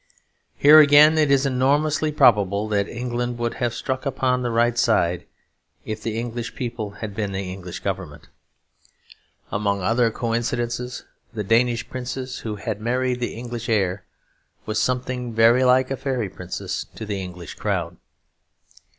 Here again, it is enormously probable that England would have struck upon the right side, if the English people had been the English Government. Among other coincidences, the Danish princess who had married the English heir was something very like a fairy princess to the English crowd.